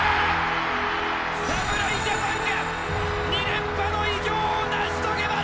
侍ジャパンが２連覇の偉業を成し遂げました！